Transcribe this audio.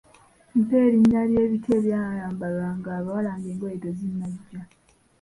Mpa erinnya ly'ebiti ebyayambalwanga abawala ng'engoye tezinnajja.